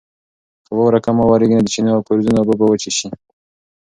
که واوره کمه وورېږي نو د چینو او کاریزونو اوبه به وچې شي.